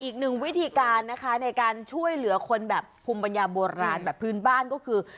อีกหนึ่งวิธีการนะคะในการช่วยเหลือคนแบบภูมิปัญญาโบราณแบบพื้นบ้านก็คือ